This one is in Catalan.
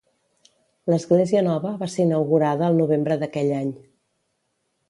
L'església nova va ser inaugurada el novembre d'aquell any.